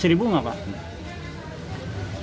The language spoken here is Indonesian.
sampai rp satu apa pak